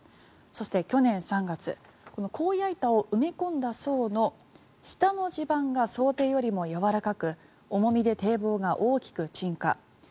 そして、去年３月この鋼矢板を埋め込んだ層の下の地盤が想定よりもやわらかく重みで堤防が大きく沈下。